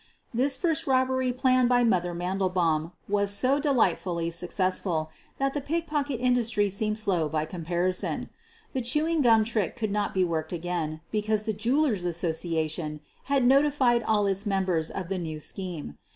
This first robbery planned by " Mother' ' Man delbaum was so delightfully successful that the pick pocket industry seemed slow by comparison. The chewing gum trick could not be worked again, be cause the jewelers' association had notified all its members of the new scheme.